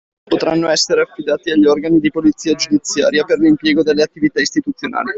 Potranno essere affidati agli organi di polizia giudiziaria per l’impiego delle attività istituzionali.